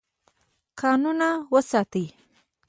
کانونه وساتئ.